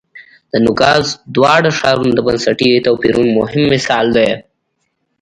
د نوګالس دواړه ښارونه د بنسټي توپیرونو مهم مثال دی.